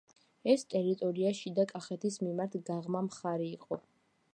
ეს ტერიტორია შიდა კახეთის მიმართ „გაღმა მხარი“ იყო.